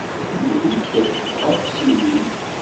Lhu-d s tɣawsiwin.